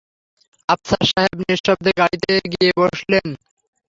আফসার সাহেব নিঃশব্দে গাড়িতে গিয়েবসলেন।